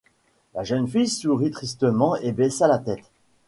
La jeune fille sourit tristement et baissa la tête.